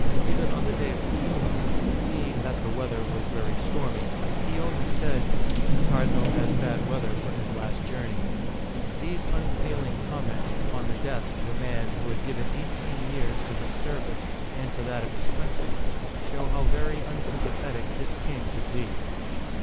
Even on the day of the funeral, seeing that the weather was very stormy, he only said, " The cardinal has bad weather for his last journey !" These unfeeling comments upon the death of a man who had given eighteen years to his ser vice and to that of his country show how very unsympa thetic this king could be.